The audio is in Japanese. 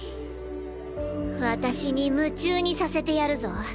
私に夢中にさせてやるぞ。